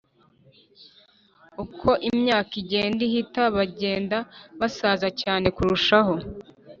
uko imyaka igenda ihita bagenda basaza cyane kurushaho